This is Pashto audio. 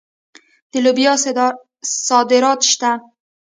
د لوبیا صادرات شته.